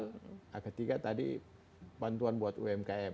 nah ketiga tadi bantuan buat umkm